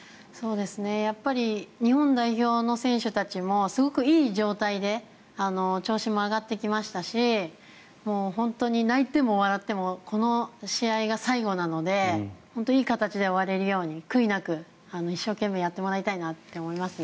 やっぱり日本代表の選手たちもすごくいい状態で調子も上がってきましたし本当に泣いても笑ってもこの試合が最後なので本当にいい形で終われるように悔いなく一生懸命やってもらいたいなと思いますね。